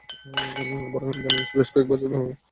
বরং ইদানীং বেশ কয়েক বছর আগাম নাম জানিয়েই তারা ভোট লড়ে আসছে।